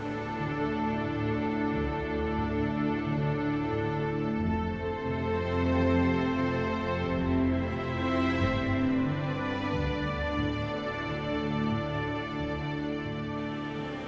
เครอเมีย